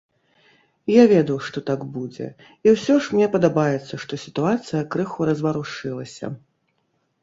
Я ведаў, што так будзе, і ўсё ж мне падабаецца, што сітуацыя крыху разварушылася.